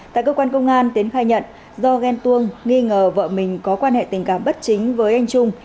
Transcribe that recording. tại cơ quan công an tiến khai nhận do ghen tuông nghi ngờ vợ mình có quan hệ tình cảm bất chính với anh trung